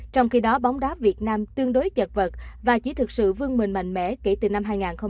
trong khi đó bóng đá việt nam tương đối chật vật và chỉ thực sự vương mình mạnh mẽ kể từ năm hai nghìn một mươi